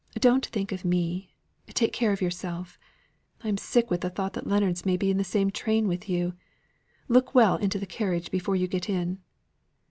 Don't think of me; take care of yourself. I am sick with the thought that Leonards may be in the same train with you. Look well into the carriage before you get in."